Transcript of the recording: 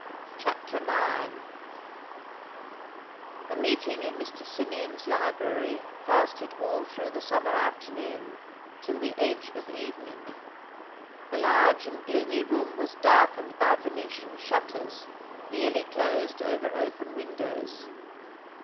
CHAPTER IX The meeting in Mr. Symeon's library lasted all through the summer afternoon, till the edge of evening. The large and gloomy room was darkened by Venetian shutters, nearly closed over open windows.